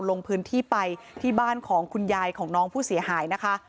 ลงพื้นที่ไปที่บ้านของคุณยายของน้องผู้เสียหายนะคะ